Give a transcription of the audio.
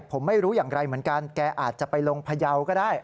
ผมไม่รู้อย่างไรเหมือนกันแกอาจจะไปลงพยาวก็ได้